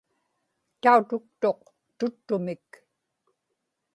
tautuktuq tuttumik